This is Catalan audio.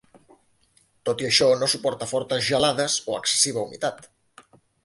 Tot i això, no suporta fortes gelades o excessiva humitat.